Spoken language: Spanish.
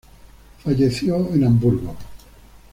Falleció en Hamburgo.